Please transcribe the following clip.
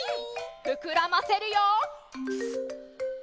ふくらませるよ！